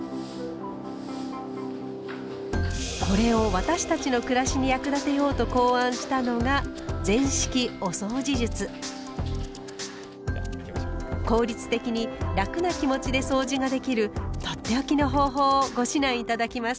これを私たちの暮らしに役立てようと考案したのが効率的に楽な気持ちでそうじができるとっておきの方法をご指南頂きます。